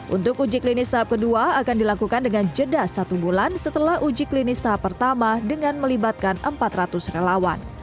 untuk uji klinis tahap kedua akan dilakukan dengan jeda satu bulan setelah uji klinis tahap pertama dengan melibatkan empat ratus relawan